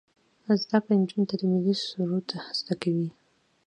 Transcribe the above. زده کړه نجونو ته د ملي سرود زده کوي.